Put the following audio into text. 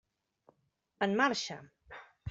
En marxa!